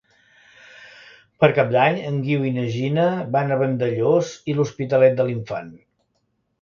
Per Cap d'Any en Guiu i na Gina van a Vandellòs i l'Hospitalet de l'Infant.